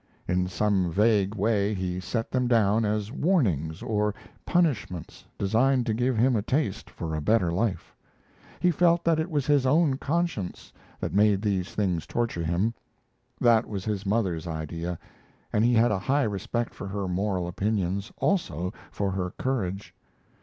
In some vague way he set them down as warnings, or punishments, designed to give him a taste for a better life. He felt that it was his own conscience that made these things torture him. That was his mother's idea, and he had a high respect for her moral opinions, also for her courage.